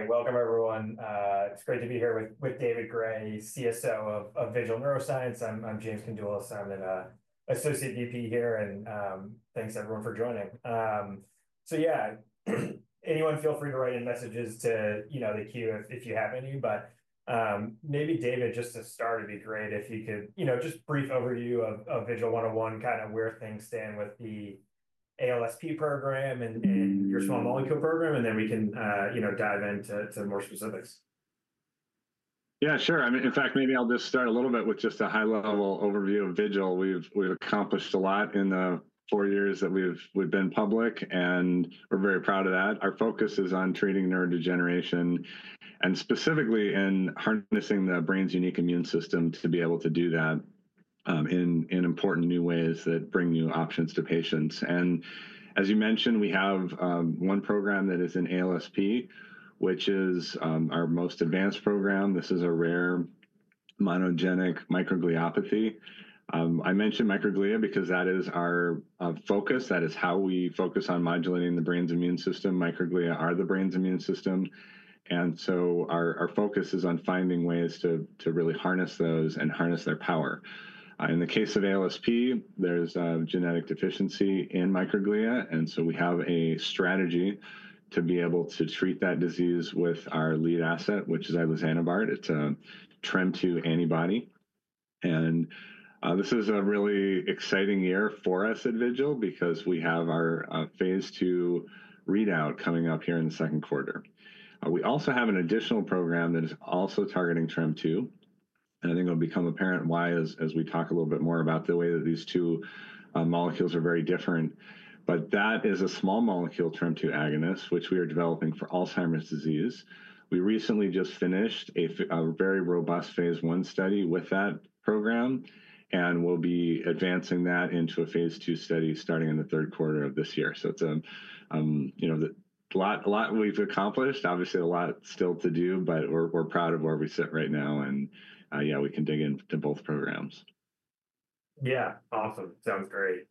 Great. Welcome, everyone. It's great to be here with David Gray, CSO of Vigil Neuroscience. I'm James. I'm an Associate VP here, and thanks, everyone, for joining. Yeah, anyone feel free to write in messages to the queue if you have any. Maybe David, just to start, it'd be great if you could just brief overview of Vigil 101, kind of where things stand with the ALSP program and your small molecule program, and then we can dive into more specifics. Yeah, sure. In fact, maybe I'll just start a little bit with just a high-level overview of Vigil. We've accomplished a lot in the four years that we've been public, and we're very proud of that. Our focus is on treating neurodegeneration and specifically in harnessing the brain's unique immune system to be able to do that in important new ways that bring new options to patients. As you mentioned, we have one program that is in ALSP, which is our most advanced program. This is a rare monogenic microgliopathy. I mentioned microglia because that is our focus. That is how we focus on modulating the brain's immune system. microglia are the brain's immune system. Our focus is on finding ways to really harness those and harness their power. In the case of ALSP, there's a genetic deficiency in microglia. We have a strategy to be able to treat that disease with our lead asset, which is iluzanebart. It's a TREM2 Antibody. This is a really exciting year for us at Vigil because we have our phase two readout coming up here in the second quarter. We also have an additional program that is also targeting TREM2. I think it'll become apparent why as we talk a little bit more about the way that these two molecules are very different. That is a small molecule TREM2 agonist, which we are developing for Alzheimer's disease. We recently just finished a very robust phase one study with that program and will be advancing that into a phase two study starting in the third quarter of this year. It's a lot we've accomplished. Obviously, a lot still to do, but we're proud of where we sit right now. Yeah, we can dig into both programs. Yeah. Awesome. Sounds great.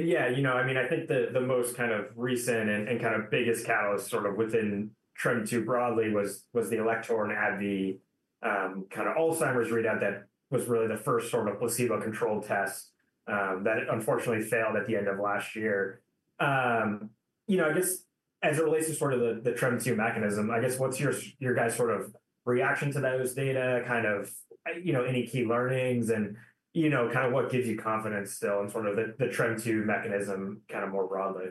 Yeah, you know, I mean, I think the most kind of recent and kind of biggest catalyst sort of within TREM2 broadly was the Alector at the kind of Alzheimer's readout that was really the first sort of placebo-controlled test that unfortunately failed at the end of last year. You know, I guess as it relates to sort of the TREM2 mechanism, I guess what's your guys' sort of reaction to those data, kind of any key learnings and kind of what gives you confidence still in sort of the TREM2 mechanism kind of more broadly?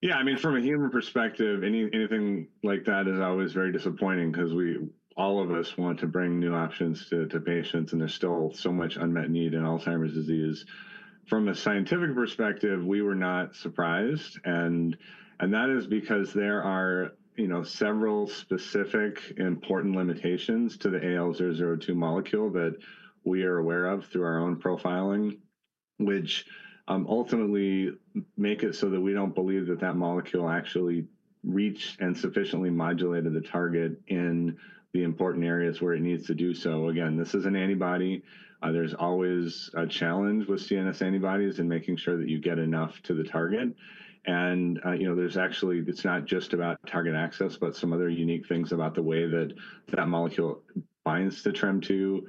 Yeah. I mean, from a human perspective, anything like that is always very disappointing because all of us want to bring new options to patients, and there's still so much unmet need in Alzheimer's disease. From a scientific perspective, we were not surprised. That is because there are several specific important limitations to the AL002 molecule that we are aware of through our own profiling, which ultimately make it so that we don't believe that that molecule actually reached and sufficiently modulated the target in the important areas where it needs to do so. Again, this is an antibody. There's always a challenge with CNS antibodies in making sure that you get enough to the target. It's not just about target access, but some other unique things about the way that that molecule binds to TREM2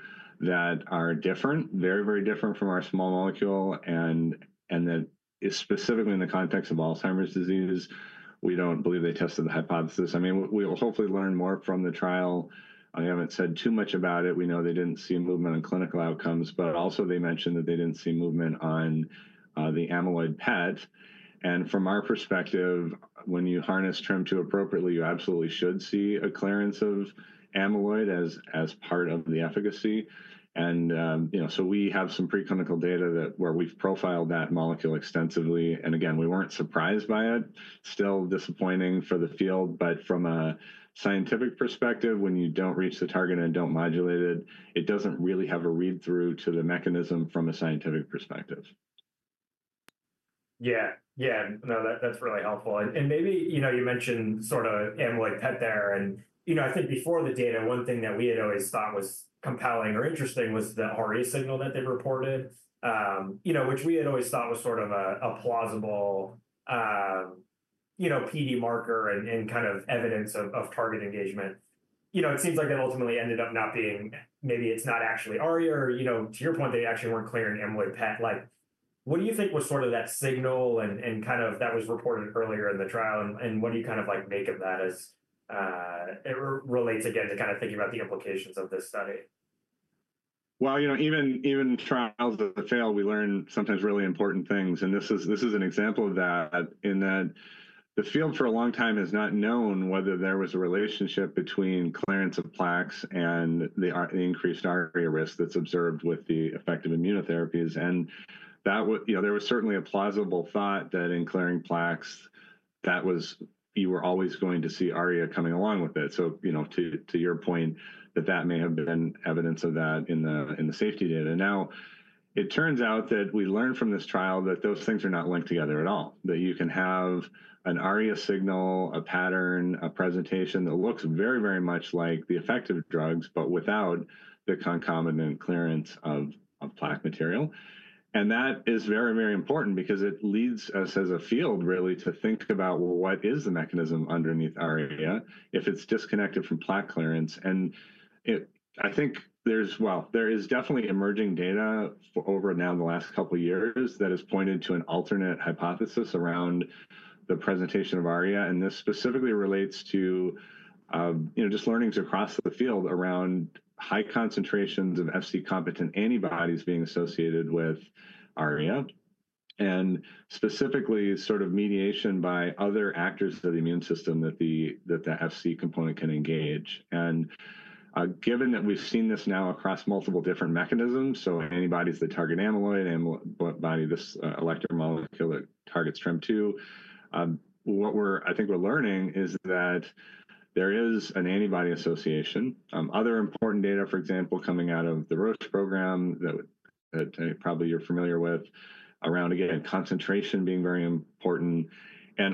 that are different, very, very different from our small molecule. That is specifically in the context of Alzheimer's disease. We don't believe they tested the hypothesis. I mean, we will hopefully learn more from the trial. I haven't said too much about it. We know they didn't see movement in clinical outcomes, but also they mentioned that they didn't see movement on the amyloid PET. From our perspective, when you harness TREM2 appropriately, you absolutely should see a clearance of amyloid as part of the efficacy. We have some preclinical data where we've profiled that molecule extensively. Again, we weren't surprised by it. Still disappointing for the field. From a scientific perspective, when you don't reach the target and don't modulate it, it doesn't really have a read-through to the mechanism from a scientific perspective. Yeah. Yeah. No, that's really helpful. Maybe you mentioned sort of Amyloid PET there. I think before the data, one thing that we had always thought was compelling or interesting was the ARIA signal that they reported, which we had always thought was sort of a plausible PD marker and kind of evidence of target engagement. It seems like it ultimately ended up not being, maybe it's not actually ARIA or to your point, they actually weren't clearing Amyloid PET. What do you think was sort of that signal and kind of that was reported earlier in the trial? What do you kind of make of that as it relates again to kind of thinking about the implications of this study? Even trials that fail, we learn sometimes really important things. This is an example of that in that the field for a long time has not known whether there was a relationship between clearance of plaques and the increased ARIA risk that's observed with the effective immunotherapies. There was certainly a plausible thought that in clearing plaques, you were always going to see ARIA coming along with it. To your point, that may have been evidence of that in the safety data. It turns out that we learned from this trial that those things are not linked together at all, that you can have an ARIA signal, a pattern, a presentation that looks very, very much like the effective drugs, but without the concomitant clearance of plaque material. That is very, very important because it leads us as a field really to think about what is the mechanism underneath ARIA if it's disconnected from plaque clearance. I think there is definitely emerging data over now in the last couple of years that has pointed to an alternate hypothesis around the presentation of ARIA. This specifically relates to just learnings across the field around high concentrations of Fc-competent antibodies being associated with ARIA and specifically sort of mediation by other actors of the immune system that the Fc-component can engage. Given that we've seen this now across multiple different mechanisms, so antibodies that target amyloid, this Alector molecule that targets TREM2, what I think we're learning is that there is an antibody association. Other important data, for example, coming out of the Roche program that probably you're familiar with around, again, concentration being very important.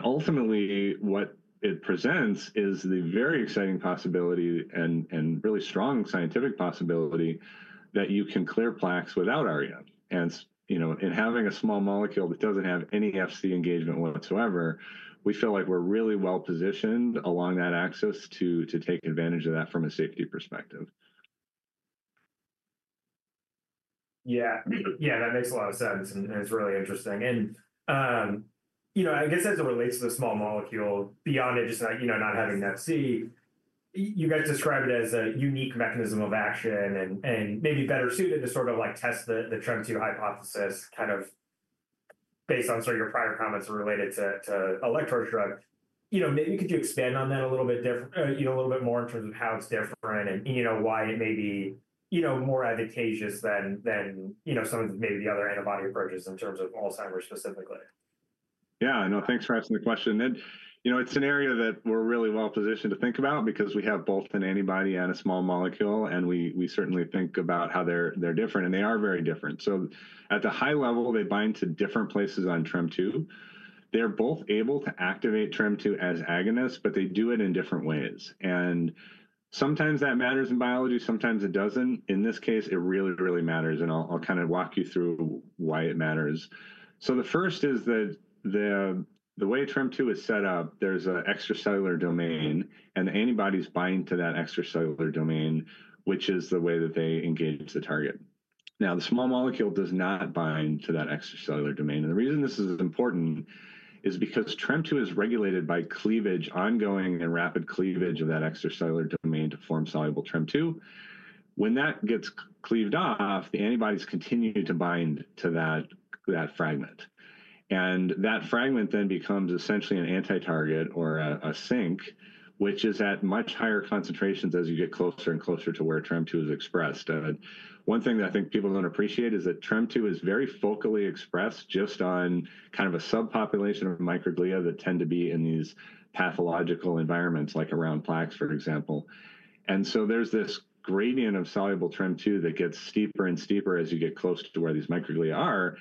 Ultimately, what it presents is the very exciting possibility and really strong scientific possibility that you can clear plaques without ARIA. In having a small molecule that doesn't have any Fc engagement whatsoever, we feel like we're really well positioned along that axis to take advantage of that from a safety perspective. Yeah. Yeah, that makes a lot of sense. It's really interesting. I guess as it relates to the small molecule, beyond just not having an FC, you guys describe it as a unique mechanism of action and maybe better suited to sort of test the TREM2 hypotheses kind of based on sort of your prior comments related to electron drug. Maybe could you expand on that a little bit different, a little bit more in terms of how it's different and why it may be more advantageous than some of maybe the other antibody approaches in terms of Alzheimer's specifically? Yeah. No, thanks for asking the question. It's an area that we're really well positioned to think about because we have both an antibody and a small molecule. We certainly think about how they're different. They are very different. At the high level, they bind to different places on TREM2. They're both able to activate TREM2 as agonists, but they do it in different ways. Sometimes that matters in biology. Sometimes it doesn't. In this case, it really, really matters. I'll kind of walk you through why it matters. The first is that the way TREM2 is set up, there's an extracellular domain. The antibodies bind to that extracellular domain, which is the way that they engage the target. The small molecule does not bind to that extracellular domain. The reason this is important is because TREM2 is regulated by cleavage, ongoing and rapid cleavage of that extracellular domain to form soluble TREM2. When that gets cleaved off, the antibodies continue to bind to that fragment. That fragment then becomes essentially an anti-target or a sink, which is at much higher concentrations as you get closer and closer to where TREM2 is expressed. One thing that I think people do not appreciate is that TREM2 is very focally expressed just on kind of a subpopulation of microglia that tend to be in these pathological environments, like around plaques, for example. There is this gradient of soluble TREM2 that gets steeper and steeper as you get close to where these microglia are.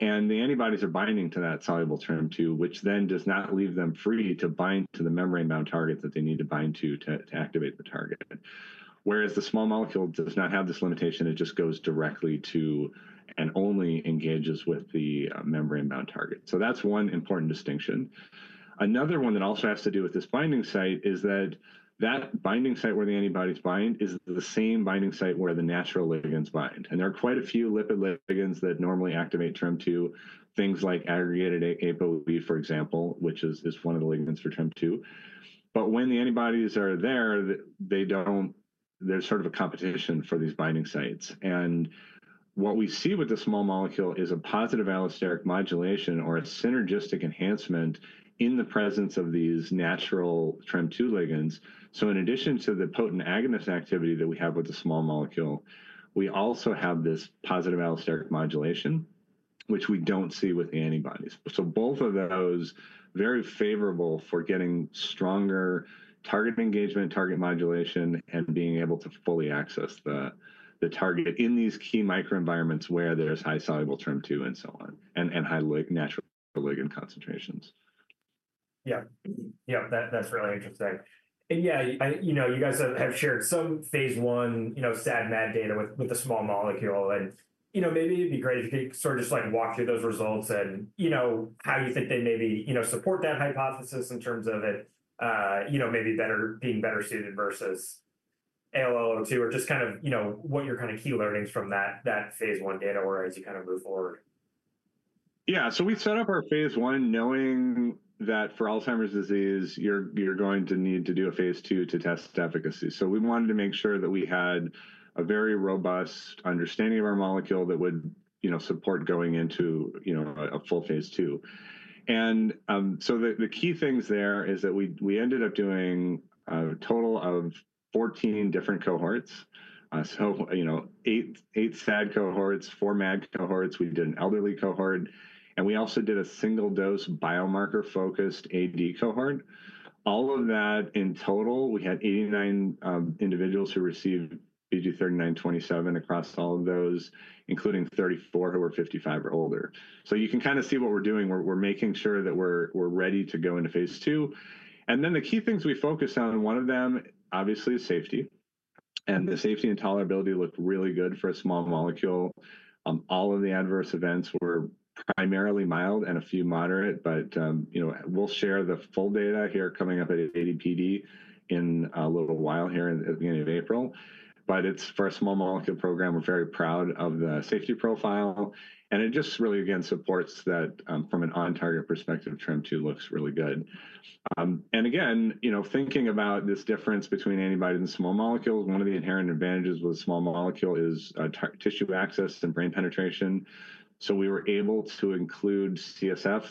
The antibodies are binding to that soluble TREM2, which then does not leave them free to bind to the membrane bound target that they need to bind to to activate the target. Whereas the small molecule does not have this limitation. It just goes directly to and only engages with the membrane bound target. That is one important distinction. Another one that also has to do with this binding site is that the binding site where the antibodies bind is the same binding site where the natural ligands bind. There are quite a few lipid ligands that normally activate TREM2, things like aggregated ApoE, for example, which is one of the ligands for TREM2. When the antibodies are there, there is sort of a competition for these binding sites. What we see with the small molecule is a positive allosteric modulation or a synergistic enhancement in the presence of these natural TREM2 ligands. In addition to the potent agonist activity that we have with the small molecule, we also have this positive allosteric modulation, which we do not see with the antibodies. Both of those are very favorable for getting stronger target engagement, target modulation, and being able to fully access the target in these key microenvironments where there is high soluble TREM2 and high natural ligand concentrations. Yeah. Yeah, that's really interesting. Yeah, you guys have shared some Phase I SAD/MAD data with the small molecule. Maybe it'd be great if you could sort of just walk through those results and how you think they maybe support that hypothesis in terms of it maybe being better suited versus AL002 or just kind of what your kind of key learnings from that phase one data were as you kind of move forward. Yeah. We set up our Phase I knowing that for Alzheimer's disease, you're going to need to do a phase two to test efficacy. We wanted to make sure that we had a very robust understanding of our molecule that would support going into a full phase two. The key things there is that we ended up doing a total of 14 different cohorts. Eight SAD cohorts, four MAD cohorts. We did an elderly cohort. We also did a single dose biomarker-focused AD cohort. All of that in total, we had 89 individuals who received VG-3927 across all of those, including 34 who were 55 or older. You can kind of see what we're doing. We're making sure that we're ready to go into phase two. The key things we focused on, one of them, obviously, is safety. The safety and tolerability looked really good for a small molecule. All of the adverse events were primarily mild and a few moderate. We will share the full data here coming up at AD/PD in a little while here at the beginning of April. For a small molecule program, we are very proud of the safety profile. It just really, again, supports that from an on-target perspective, TREM2 looks really good. Again, thinking about this difference between antibody and small molecule, one of the inherent advantages with a small molecule is tissue access and brain penetration. We were able to include CSF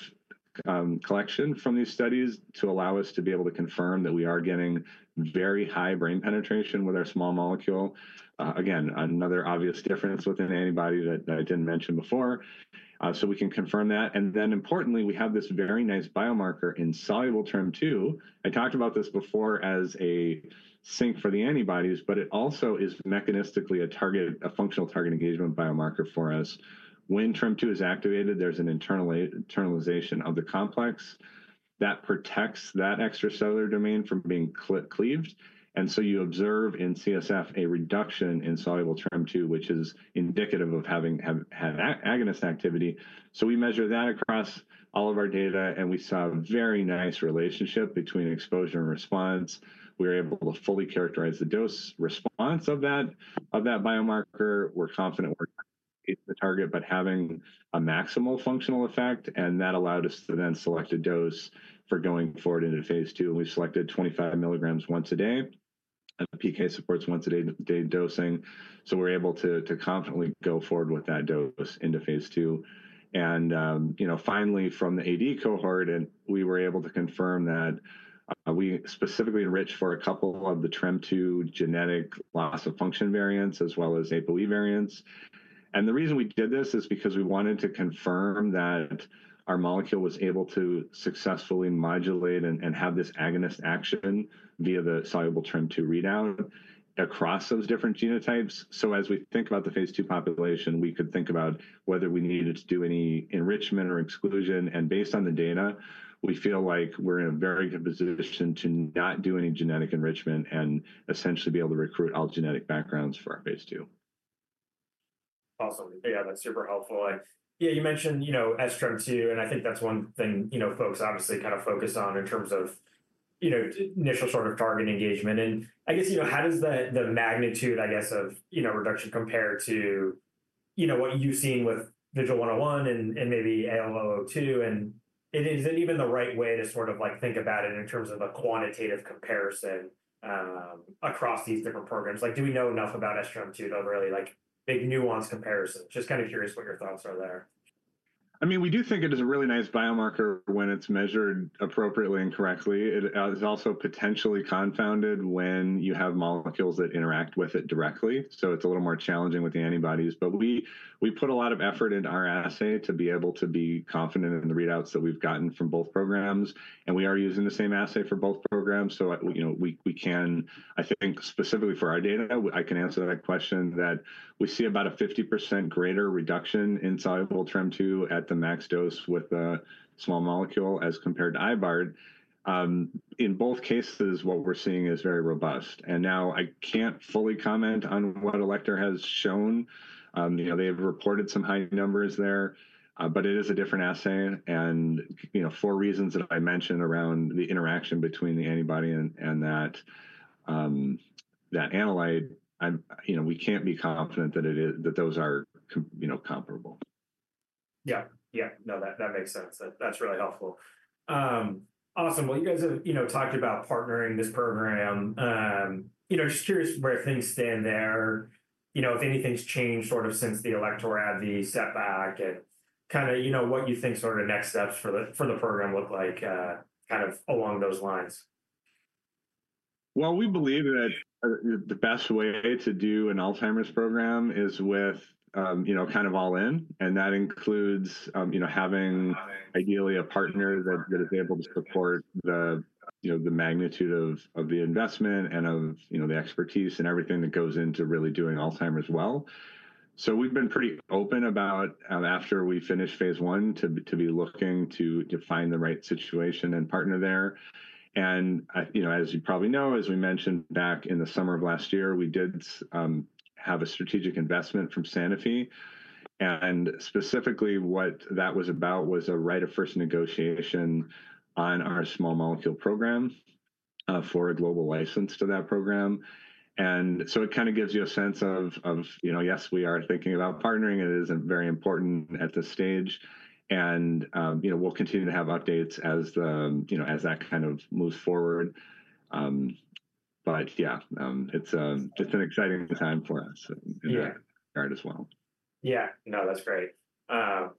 collection from these studies to allow us to be able to confirm that we are getting very high brain penetration with our small molecule. Again, another obvious difference with an antibody that I did not mention before. We can confirm that. Importantly, we have this very nice biomarker in soluble TREM2. I talked about this before as a sink for the antibodies, but it also is mechanistically a functional target engagement biomarker for us. When TREM2 is activated, there is an internalization of the complex that protects that extracellular domain from being cleaved. You observe in CSF a reduction in soluble TREM2, which is indicative of having agonist activity. We measure that across all of our data. We saw a very nice relationship between exposure and response. We were able to fully characterize the dose response of that biomarker. We are confident we are going to be the target, but having a maximal functional effect. That allowed us to then select a dose for going forward into Phase II. We selected 25 mg once a day and the PK supports once a day dosing. We are able to confidently go forward with that dose into Phase II. Finally, from the AD cohort, we were able to confirm that we specifically enriched for a couple of the TREM2 genetic loss of function variants as well as ApoE variants. The reason we did this is because we wanted to confirm that our molecule was able to successfully modulate and have this agonist action via the soluble TREM2 readout across those different genotypes. As we think about the phase two population, we could think about whether we needed to do any enrichment or exclusion. Based on the data, we feel like we are in a very good position to not do any genetic enrichment and essentially be able to recruit all genetic backgrounds for our Phase II. Awesome. Yeah, that's super helpful. Yeah, you mentioned sTREM2. I think that's one thing folks obviously kind of focus on in terms of initial sort of target engagement. I guess how does the magnitude, I guess, of reduction compare to what you've seen with Vigil Neuroscience, iluzanebart, and maybe AL002? Is it even the right way to sort of think about it in terms of a quantitative comparison across these different programs? Do we know enough about sTREM2 to really make nuanced comparisons? Just kind of curious what your thoughts are there. I mean, we do think it is a really nice biomarker when it's measured appropriately and correctly. It is also potentially confounded when you have molecules that interact with it directly. It is a little more challenging with the antibodies. We put a lot of effort into our assay to be able to be confident in the readouts that we've gotten from both programs. We are using the same assay for both programs. I think, specifically for our data, I can answer that question that we see about a 50% greater reduction in soluble TREM2 at the max dose with the small molecule as compared to iluzanebart. In both cases, what we're seeing is very robust. I can't fully comment on what Alector has shown. They have reported some high numbers there. It is a different assay. For reasons that I mentioned around the interaction between the antibody and that analyte, we can't be confident that those are comparable. Yeah. Yeah. No, that makes sense. That's really helpful. Awesome. You guys have talked about partnering this program. Just curious where things stand there. If anything's changed sort of since the Alector had the setback and kind of what you think sort of next steps for the program look like kind of along those lines. We believe that the best way to do an Alzheimer's program is with kind of all in. That includes having ideally a partner that is able to support the magnitude of the investment and of the expertise and everything that goes into really doing Alzheimer's well. We have been pretty open about after we finished phase one to be looking to find the right situation and partner there. As you probably know, as we mentioned back in the summer of last year, we did have a strategic investment from Sanofi. Specifically, what that was about was a right of first negotiation on our small molecule program for a global license to that program. It kind of gives you a sense of, yes, we are thinking about partnering. It is very important at this stage. We will continue to have updates as that kind of moves forward. Yeah, it's just an exciting time for us in that regard as well. Yeah. No, that's great. Awesome.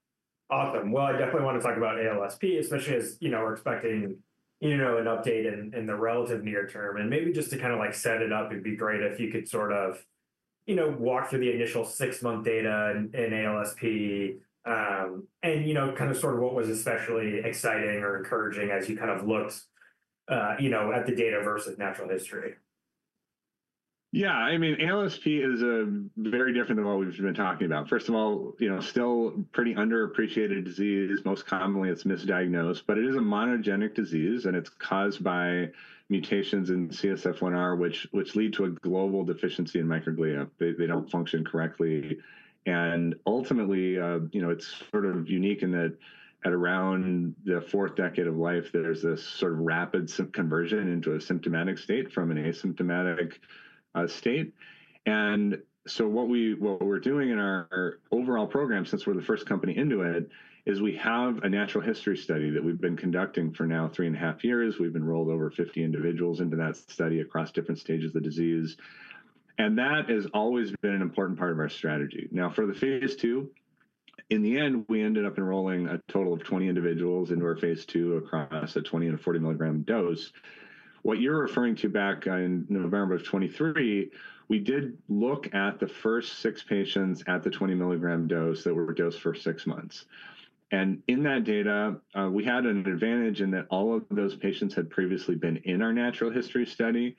I definitely want to talk about ALSP, especially as we're expecting an update in the relative near term. Maybe just to kind of set it up, it'd be great if you could sort of walk through the initial six-month data in ALSP and kind of sort of what was especially exciting or encouraging as you kind of looked at the data versus natural history. Yeah. I mean, ALSP is very different than what we've been talking about. First of all, still pretty underappreciated disease. Most commonly, it's misdiagnosed. It is a monogenic disease. It's caused by mutations in CSF1R, which lead to a global deficiency in microglia. They don't function correctly. Ultimately, it's sort of unique in that at around the fourth decade of life, there's this sort of rapid conversion into a symptomatic state from an asymptomatic state. What we're doing in our overall program, since we're the first company into it, is we have a natural history study that we've been conducting for now three and a half years. We've enrolled over 50 individuals into that study across different stages of the disease. That has always been an important part of our strategy. Now, for the Phase II, in the end, we ended up enrolling a total of 20 individuals into our Phase II across a 20 mg and a 40 mg dose. What you're referring to back in November of 2023, we did look at the first six patients at the 20 mg dose that were dosed for six months. In that data, we had an advantage in that all of those patients had previously been in our natural history study.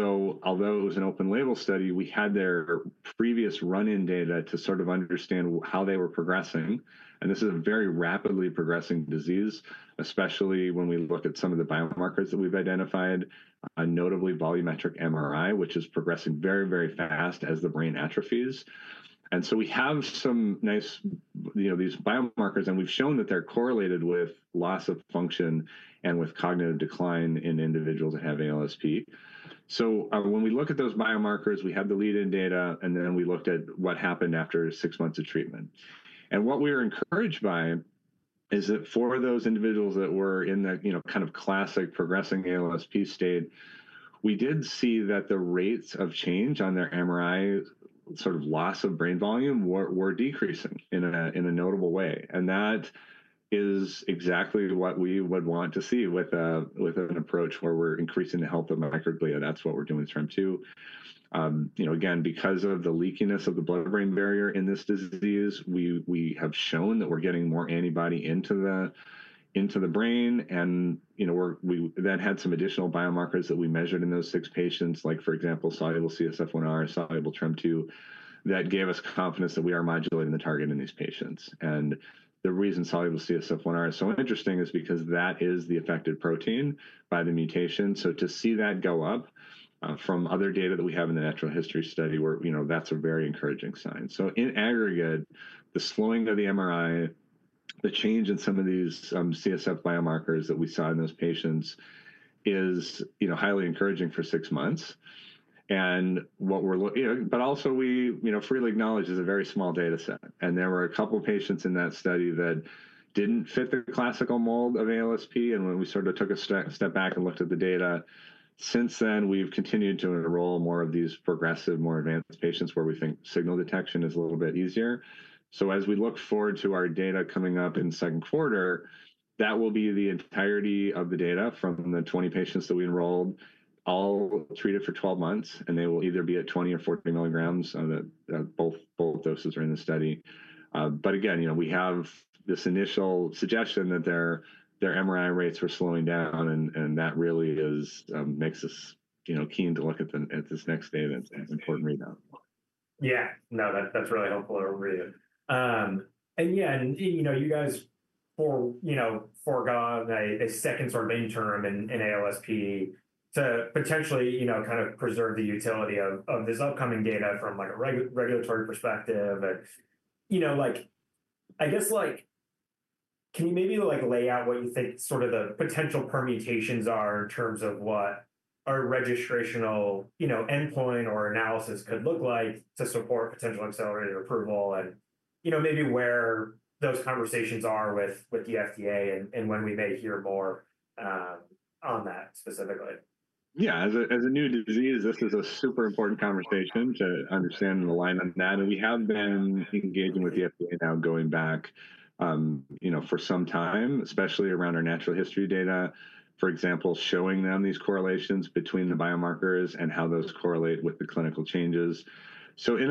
Although it was an open label study, we had their previous run-in data to sort of understand how they were progressing. This is a very rapidly progressing disease, especially when we look at some of the biomarkers that we've identified, notably volumetric MRI, which is progressing very, very fast as the brain atrophies. We have some nice these biomarkers. We have shown that they're correlated with loss of function and with cognitive decline in individuals that have ALSP. When we look at those biomarkers, we had the lead-in data. Then we looked at what happened after six months of treatment. What we were encouraged by is that for those individuals that were in the kind of classic progressing ALSP state, we did see that the rates of change on their MRI, sort of loss of brain volume, were decreasing in a notable way. That is exactly what we would want to see with an approach where we're increasing the health of microglia. That's what we're doing with TREM2. Again, because of the leakiness of the blood-brain barrier in this disease, we have shown that we're getting more antibody into the brain. We then had some additional biomarkers that we measured in those six patients, like for example, soluble CSF1R, soluble TREM2, that gave us confidence that we are modulating the target in these patients. The reason soluble CSF1R is so interesting is because that is the affected protein by the mutation. To see that go up from other data that we have in the natural history study, that's a very encouraging sign. In aggregate, the slowing of the MRI, the change in some of these CSF biomarkers that we saw in those patients is highly encouraging for six months. What we also freely acknowledge is a very small data set. There were a couple of patients in that study that did not fit the classical mold of ALSP. When we sort of took a step back and looked at the data, since then, we've continued to enroll more of these progressive, more advanced patients where we think signal detection is a little bit easier. As we look forward to our data coming up in second quarter, that will be the entirety of the data from the 20 patients that we enrolled, all treated for 12 months. They will either be at 20 mg or 40 mg. Both doses are in the study. We have this initial suggestion that their MRI rates were slowing down. That really makes us keen to look at this next data and important readout. Yeah. No, that's really helpful to read. Yeah, and you guys foregone a second sort of interim in ALSP to potentially kind of preserve the utility of this upcoming data from a regulatory perspective. I guess, can you maybe lay out what you think sort of the potential permutations are in terms of what our registrational endpoint or analysis could look like to support potential accelerated approval and maybe where those conversations are with the FDA and when we may hear more on that specifically. Yeah. As a new disease, this is a super important conversation to understand and align on that. We have been engaging with the FDA now going back for some time, especially around our natural history data, for example, showing them these correlations between the biomarkers and how those correlate with the clinical changes. In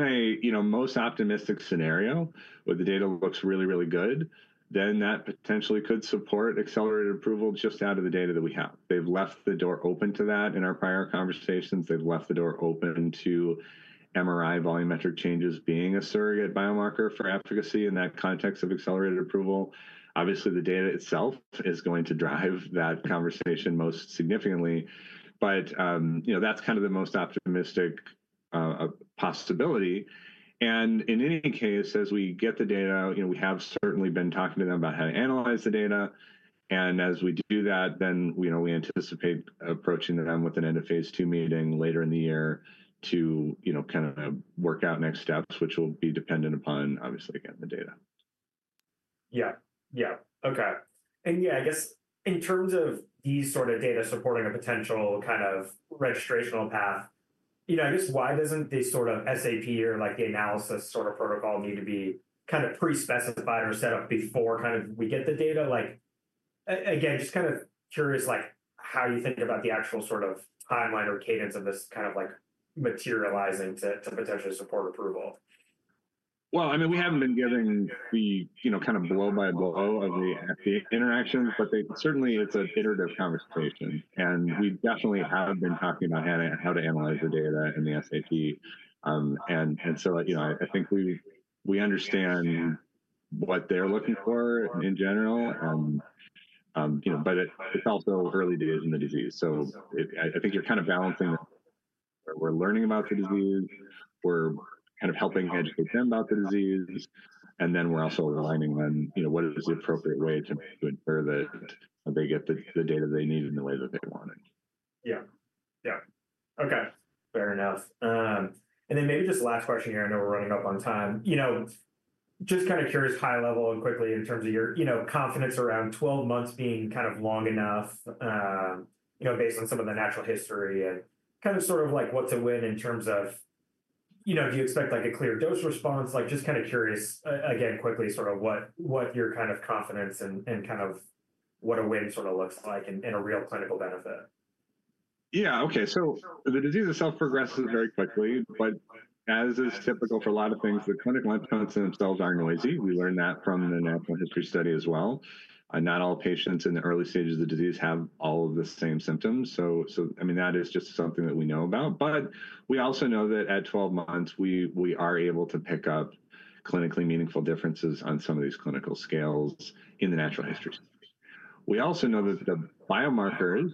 a most optimistic scenario, where the data looks really, really good, then that potentially could support accelerated approval just out of the data that we have. They've left the door open to that in our prior conversations. They've left the door open to MRI volumetric changes being a surrogate biomarker for efficacy in that context of accelerated approval. Obviously, the data itself is going to drive that conversation most significantly. That's kind of the most optimistic possibility. In any case, as we get the data, we have certainly been talking to them about how to analyze the data. As we do that, we anticipate approaching them with an end-of-phase two meeting later in the year to kind of work out next steps, which will be dependent upon, obviously, again, the data. Yeah. Yeah. Okay. Yeah, I guess in terms of these sort of data supporting a potential kind of registrational path, I guess why doesn't this sort of SAP or the analysis sort of protocol need to be kind of pre-specified or set up before we get the data? Again, just kind of curious how you think about the actual sort of timeline or cadence of this kind of materializing to potentially support approval. I mean, we haven't been giving the kind of blow-by-blow of the FDA interactions. Certainly, it's an iterative conversation. We definitely have been talking about how to analyze the data and the SAP. I think we understand what they're looking for in general. It's also early days in the disease. I think you're kind of balancing where we're learning about the disease. We're kind of helping educate them about the disease. We're also aligning on what is the appropriate way to ensure that they get the data they need in the way that they want it. Yeah. Yeah. Okay. Fair enough. Maybe just last question here. I know we're running up on time. Just kind of curious high level and quickly in terms of your confidence around 12 months being kind of long enough based on some of the natural history and kind of sort of what to win in terms of do you expect a clear dose response? Just kind of curious, again, quickly sort of what your kind of confidence and kind of what a win sort of looks like in a real clinical benefit. Yeah. Okay. The disease itself progresses very quickly. As is typical for a lot of things, the clinical incidence themselves are not always easy. We learn that from the natural history study as well. Not all patients in the early stages of the disease have all of the same symptoms. I mean, that is just something that we know about. We also know that at 12 months, we are able to pick up clinically meaningful differences on some of these clinical scales in the natural history. We also know that the biomarkers,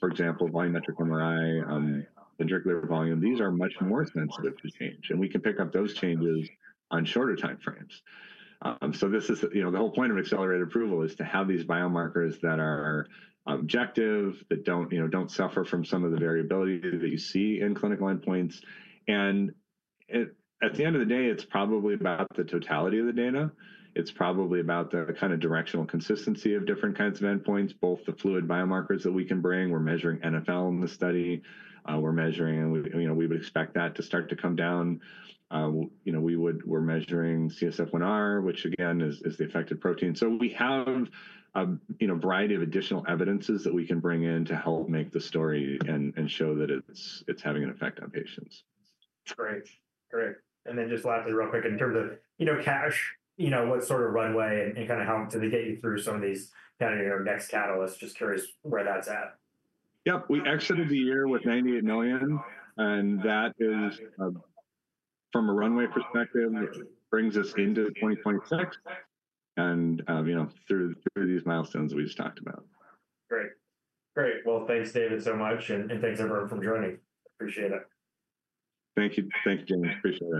for example, volumetric MRI, ventricular volume, these are much more sensitive to change. We can pick up those changes on shorter time frames. The whole point of accelerated approval is to have these biomarkers that are objective, that do not suffer from some of the variability that you see in clinical endpoints. At the end of the day, it's probably about the totality of the data. It's probably about the kind of directional consistency of different kinds of endpoints, both the fluid biomarkers that we can bring. We're measuring NfL in the study. We would expect that to start to come down. We're measuring CSF1R, which again is the affected protein. So we have a variety of additional evidences that we can bring in to help make the story and show that it's having an effect on patients. Great. Great. Lastly, real quick, in terms of cash, what sort of runway and kind of how to get you through some of these kind of next catalysts, just curious where that's at. Yep. We exited the year with $98 million. That is from a runway perspective, brings us into 2026 and through these milestones that we just talked about. Great. Great. Thanks, David, so much. Thanks, everyone, for joining. Appreciate it. Thank you. Thank you, James. Appreciate it.